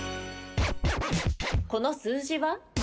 この数字は？